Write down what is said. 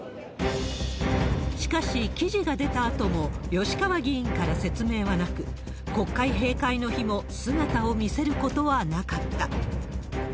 しかし、記事が出たあとも吉川議員から説明はなく、国会閉会の日も姿を見せることはなかった。